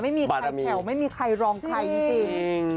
ไม่มีใครแผ่วไม่มีใครรองใครจริง